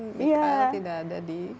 mikael tidak ada di